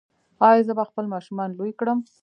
ایا زه به خپل ماشومان لوی کړم؟